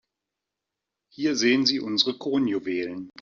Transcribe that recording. Hier sehen Sie unsere Kronjuwelen.